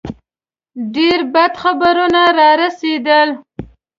ډېر بد خبرونه را رسېدل.